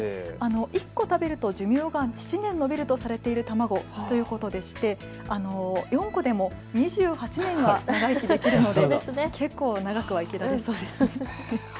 １個食べると寿命が７年延びるとされている卵ということでして４個でも２８年は長生きできるので結構、長くは生きられそうですね。